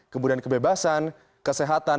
kemudian kebebasan kesehatan